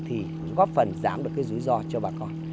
thì góp phần giảm được cái rủi ro cho bà con